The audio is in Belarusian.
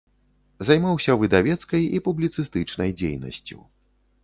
Займаўся выдавецкай і публіцыстычнай дзейнасцю.